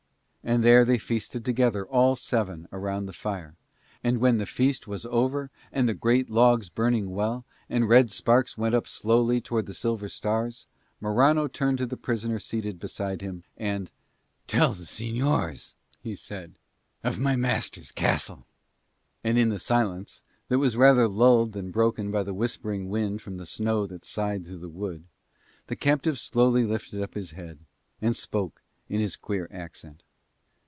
And there they feasted together, all seven, around the fire. And when the feast was over and the great logs burning well, and red sparks went up slowly towards the silver stars, Morano turned to the prisoner seated beside him and "Tell the señors," he said, "of my master's castle." And in the silence, that was rather lulled than broken by the whispering wind from the snow that sighed through the wood, the captive slowly lifted up his head and spoke in his queer accent.